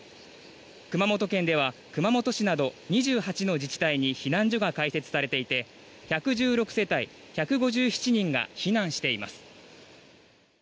熊本県では熊本市など２８の自治体に避難所が開設されていて１１６世帯１５７人が避難しています。